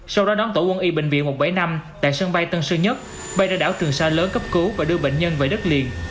sau đó đón tổ quân y bệnh viện một trăm bảy mươi năm tại sân bay tân sơn nhất bay ra đảo trường sa lớn cấp cứu và đưa bệnh nhân về đất liền